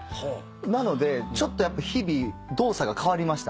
なのでちょっとやっぱ日々動作が変わりました。